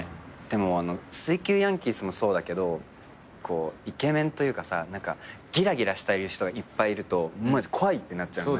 でも『水球ヤンキース』もそうだけどこうイケメンというかさ何かギラギラしている人がいっぱいいると怖い！ってなっちゃうの。